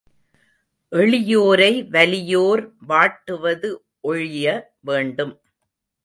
எளியோரை வலியோர் வாட்டுவது ஒழிய வேண்டும்.